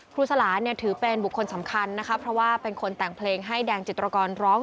สลาเนี่ยถือเป็นบุคคลสำคัญนะคะเพราะว่าเป็นคนแต่งเพลงให้แดงจิตรกรร้อง